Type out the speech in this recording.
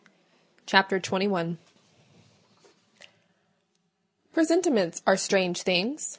CHAPTER XXI Presentiments are strange things!